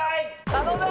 頼む！